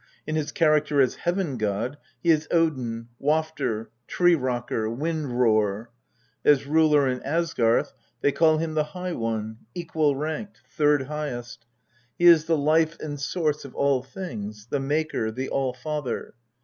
In his character as Heaven god, he is Odin, Wafter, Tree rocker, Wind roar ; as ruler in Asgarth. they call him the High One, Equal ranked, Third Highest. He is the life and source of all things the Maker, the All father.